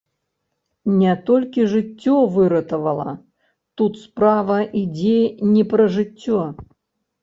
Не толькі жыццё выратавала, тут справа ідзе не пра жыццё.